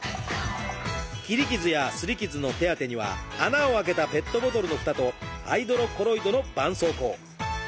切り傷やすり傷の手当てには穴を開けたペットボトルのふたとハイドロコロイドのばんそうこう。